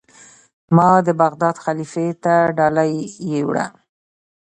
ما د بغداد خلیفه ته ډالۍ یووړه.